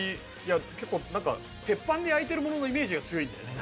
鉄板で焼いてるもののイメージが強いんだよね。